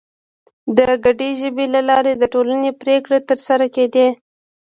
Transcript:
د ګډې ژبې له لارې د ټولنې پرېکړې تر سره کېدلې.